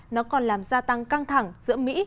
nó còn làm gia tăng căng thẳng giữa mỹ